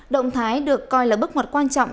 động thái được coi là bức mật quan trọng